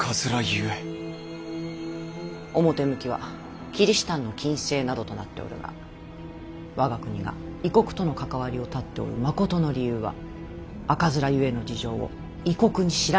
表向きはキリシタンの禁制などとなっておるが我が国が異国との関わりを絶っておるまことの理由は赤面ゆえの事情を異国に知られぬためじゃ。